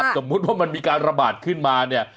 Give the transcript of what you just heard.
สมมุติว่ามันมีการระบาดขึ้นมาเนี่ย